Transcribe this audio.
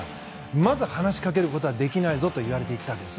まず、話しかけることはできないぞといわれていたんです。